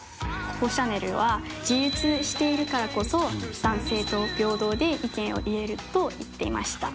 ココ・シャネルは「自立しているからこそ男性と平等で意見を言える」と言っていました。